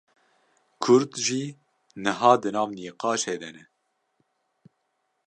Kurd jî niha di nav nîqaşê de ne